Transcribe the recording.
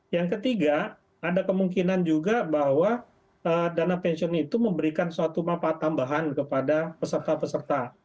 yang ketiga ada kemungkinan juga bahwa dana pensiun itu memberikan suatu manfaat tambahan kepada peserta peserta